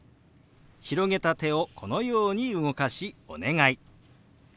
広げた手をこのように動かし「お願い」。